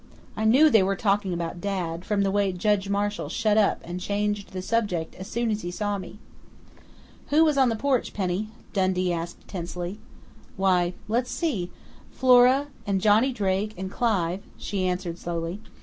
I knew they were talking about Dad, from the way Judge Marshall shut up and changed the subject as soon as he saw me." "Who was on the porch, Penny?" Dundee asked tensely. "Why, let's see Flora, and Johnny Drake, and Clive," she answered slowly.